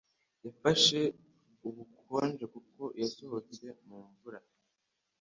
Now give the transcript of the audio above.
Yafashe ubukonje kuko yasohotse mu mvura